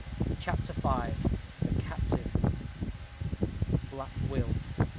CHAPTER V THE CAPTIVE _Black Will.